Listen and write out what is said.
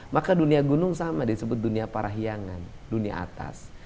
maka dunia gunung sama disebut dunia parahyangan dunia atas